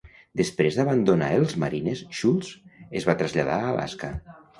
Després d'abandonar els Marines, Schulz es va traslladar a Alaska.